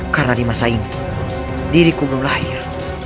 karena di masa ini diriku belum lahir